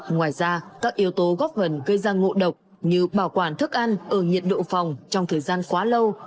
ngoài ra các yếu tố góp vần gây ra ngộ độc như bảo quản thức ăn ở nhiệt độ phòng trong thời gian quá lâu